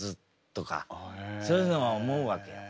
そういうのは思うわけよ。